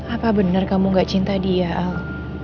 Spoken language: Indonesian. apa benar kamu gak cinta dia al